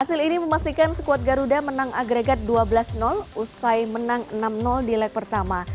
hasil ini memastikan skuad garuda menang agregat dua belas usai menang enam di leg pertama